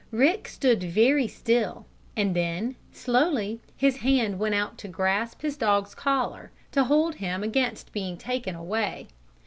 Rick stood very still, and then, slowly, his hand went out to grasp his dog's collar, to hold him against being taken away.